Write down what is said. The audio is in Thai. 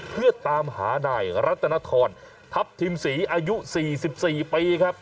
เพื่อตามหานายรัตนทรทัพทิมศรีอายุ๔๔ปีครับ